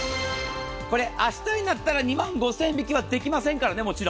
これ、明日になったら２万５０００円引きはもちろんできませんからね。